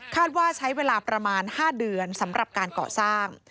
ว่าใช้เวลาประมาณ๕เดือนสำหรับการก่อสร้าง